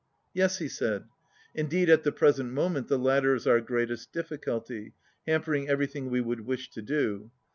"Yes," he said. "Indeed at the present mo ment the latter is our greatest difficulty, hamper ing everything we would wish to do.